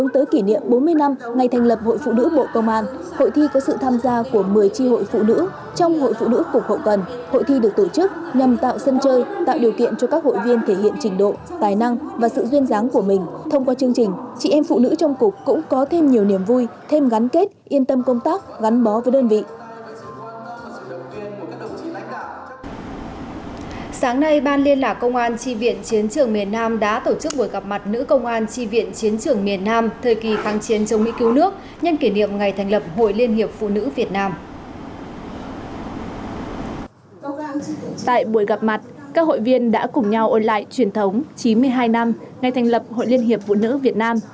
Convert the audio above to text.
tại buổi gặp mặt các hội viên đã cùng nhau ôn lại truyền thống chín mươi hai năm ngày thành lập hội liên hiệp phụ nữ việt nam